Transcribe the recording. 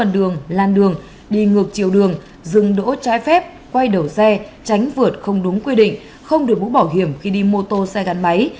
đừng đỗ trái phép quay đầu xe tránh vượt không đúng quy định không đưa bút bảo hiểm khi đi mô tô xe gắn máy